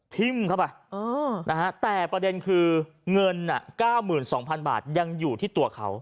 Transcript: ทิ้งเข้าไปเออนะฮะแต่ประเด็นคือเงินอ่ะเก้าหมื่นสองพันบาทยังอยู่ที่ตัวเขา